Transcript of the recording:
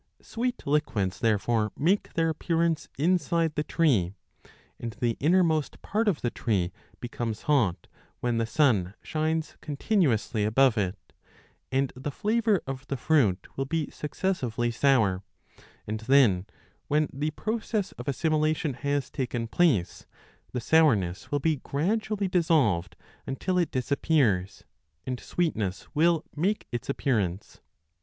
Sweet liquids therefore make their appearance inside the tree, and the innermost part of the tree becomes hot when the sun shines continuously above it, and the flavour of the fruit will be 5 successively sour, and then, when the process of assimilation has taken place, the sourness will be gradually dissolved until it disappears, and sweetness will make its appearance.